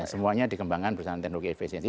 semuanya dikembangkan bersama teknologi efisiensi